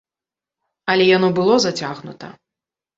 Але яно было зацягнута.